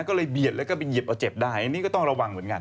ก็เลยเบียดแล้วก็ไปเหยียบเอาเจ็บได้อันนี้ก็ต้องระวังเหมือนกัน